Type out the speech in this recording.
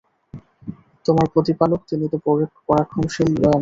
তোমার প্রতিপালক— তিনি তো পরাক্রমশালী, পরম দয়ালু।